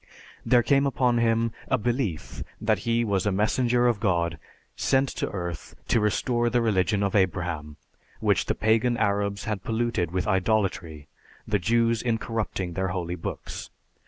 There came upon him a belief that he was a messenger of God sent on earth to restore the religion of Abraham, which the pagan Arabs had polluted with idolatry, the Jews in corrupting their holy books.